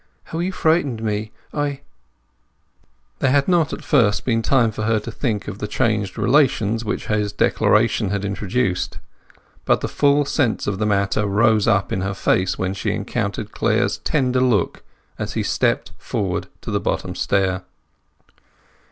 How you frightened me—I—" There had not at first been time for her to think of the changed relations which his declaration had introduced; but the full sense of the matter rose up in her face when she encountered Clare's tender look as he stepped forward to the bottom stair.